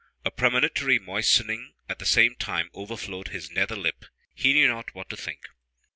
A premonitory moistening at the same time overflowed his nether lip. He knew not what to think.